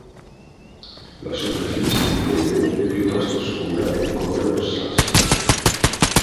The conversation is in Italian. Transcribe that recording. La superficie di Tebe è piuttosto scura e di colore rossastro.